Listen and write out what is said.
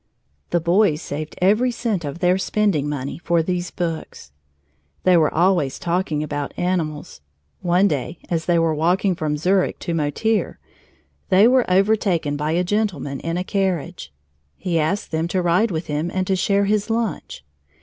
The boys saved every cent of their spending money for these books. They were always talking about animals. One day, as they were walking from Zurich to Motier, they were overtaken by a gentleman in a carriage. He asked them to ride with him and to share his lunch.